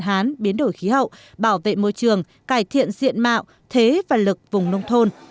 hạn hán biến đổi khí hậu bảo vệ môi trường cải thiện diện mạo thế và lực vùng nông thôn